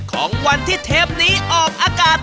ของวันที่เทปนี้ออกอากาศ